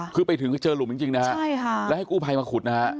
คือไปถึงเจอหลุมจริงนะฮะใช่ค่ะแล้วให้กู้ภัยมาขุดนะฮะ